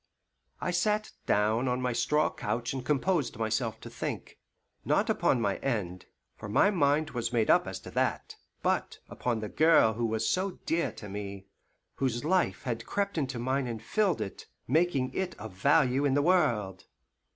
I sat down on my straw couch and composed myself to think; not upon my end, for my mind was made up as to that, but upon the girl who was so dear to me, whose life had crept into mine and filled it, making it of value in the world.